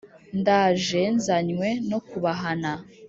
Ndaje nzanywe no kubahana!